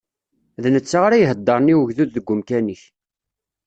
D netta ara iheddṛen i ugdud deg umkan-ik.